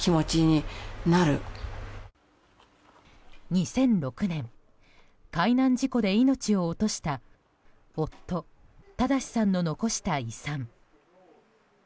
２００６年海難事故で命を落とした夫・正さんの残した遺産。